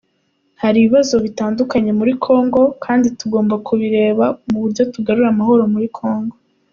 Hari ibibazo bitandukanye muri Congo kandi tugomba kubireba mu buryo bugarura amahohoro muri Congo.